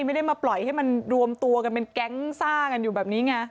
ไม่ได้มาปล่อยให้มันรวมตัวกันเป็นแก๊งซ่ากันอยู่แบบนี้ไง